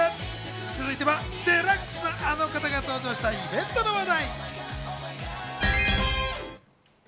続いてはデラックスなあの方が登場したイベントの話題。